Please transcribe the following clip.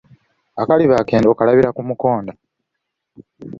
Akaliba akendo okulabira ku mukonda.